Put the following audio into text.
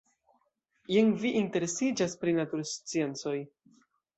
Jen vi interesiĝas pri natursciencoj.